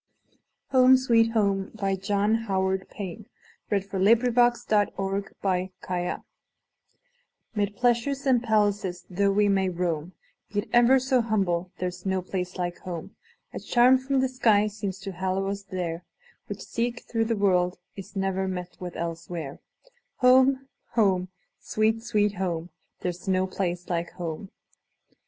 f Milan" John Howard Payne 1791–1852 John Howard Payne 14 Home, Sweet Home MID PLEASURES and palaces though we may roam, Be it ever so humble there 's no place like home!A charm from the sky seems to hallow us there, Which, seek through the world, is ne'er met with elsewhere. Home! home! sweet, sweet home! There 's no place like home!